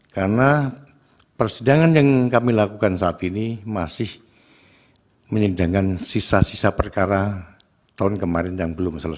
karena persidangan yang kami lakukan saat ini masih menyedangkan sisa sisa perkara tahun kemarin yang belum diadakan